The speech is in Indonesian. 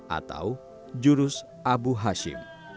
atau jurus abu hashim